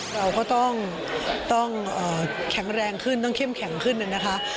เราก็ต้องแข็งแรงขึ้นต้องเข้มแข็งขึ้นนะคะ